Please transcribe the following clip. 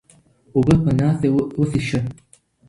اوبه په ناسته وڅښئ.